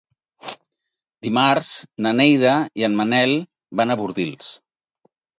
Dimarts na Neida i en Manel van a Bordils.